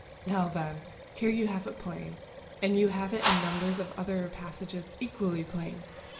_ Now then, here you have it plain, and you have it in numbers of other passages equally plain.